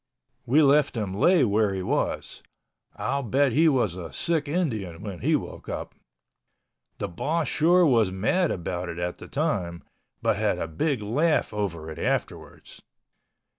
We left him lay where he was. I'll bet he was a sick Indian when he woke up. The boss sure was mad about it at the time, but had a big laugh over it afterwards.